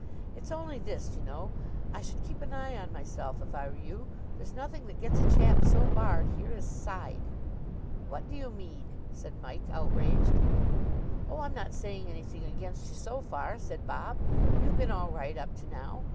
"It's only this. You know, I should keep an eye on myself if I were you. There's nothing that gets a chap so barred here as side." "What do you mean?" said Mike, outraged. "Oh, I'm not saying anything against you so far," said Bob. "You've been all right up to now.